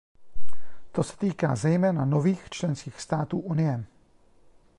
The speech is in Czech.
To se týká zejména nových členských států Unie.